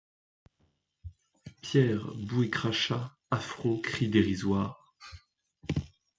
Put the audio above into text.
Pierres, boue et crachats, affronts, cris dérisoires